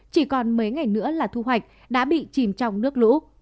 chỉ còn mấy ngày nữa là thu hoạch đã bị chìm trong nước lũ